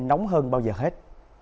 nóng hơn bao giờ hết